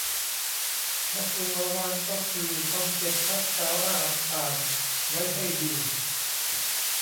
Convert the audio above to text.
ข้อควรระวังก็คือต้องเก็บรักษารหัสผ่านไว้ให้ดี